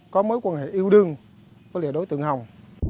có mối quan hệ yêu đương với đối tượng hồng